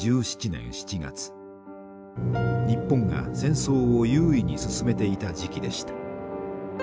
日本が戦争を優位に進めていた時期でした。